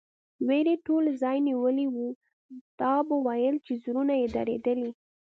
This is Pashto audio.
وېرې ټول ځای نیولی و، تا به ویل چې زړونه یې درېدلي.